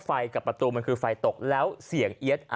ไฟกับประตูมันคือไฟตกแล้วเสียง